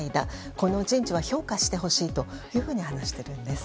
この人事は評価してほしいというふうに話しているんです。